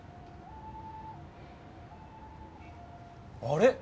あれ？